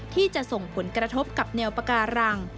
ที่จะส่งผลกระทบกับแนวปาการัง